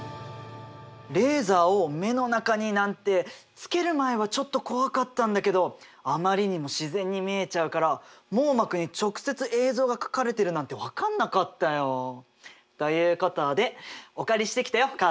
レーザを目の中になんてつける前はちょっと怖かったんだけどあまりにも自然に見えちゃうから網膜に直接映像が描かれてるなんて分かんなかったよ。ということでお借りしてきたよ